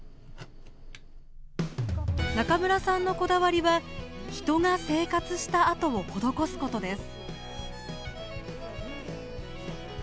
中村さんのこだわりは人が生活した跡を施すことです。